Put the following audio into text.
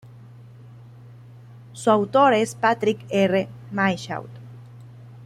Su autor es Patrick R. Michaud.